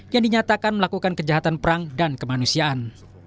yang dinyatakan melakukan kejahatan perang dan kemanusiaan